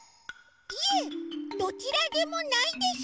いえどちらでもないです。